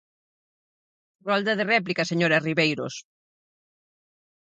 Rolda de réplica, señora Ribeiros.